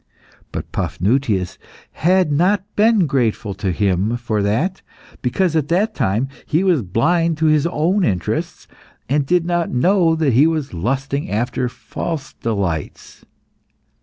But Paphnutius had not been grateful to Him for that, because at that time he was blind to his own interests, and did not know that he was lusting after false delights.